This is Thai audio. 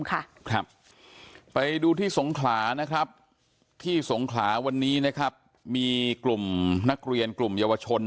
ต้องรับไปดูที่ทรงศาลสงหามีกลุ่มนักเรียนยำว่ชน